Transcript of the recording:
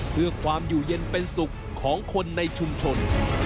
เพื่อความอยู่เย็นเป็นสุขของคนในชุมชน